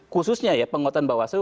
khususnya ya penguatan bawaslu